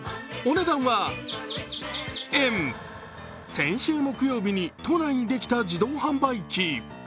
先週木曜日に都内にできた自動販売機。